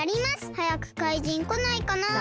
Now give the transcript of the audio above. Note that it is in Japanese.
はやくかいじんこないかなあ。